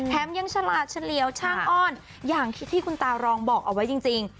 ยังฉลาดเฉลี่ยวช่างอ้อนอย่างที่ที่คุณตารองบอกเอาไว้จริง